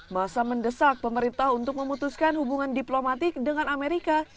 masa mendesak pemerintah untuk memutuskan hubungan diplomatik dengan amerika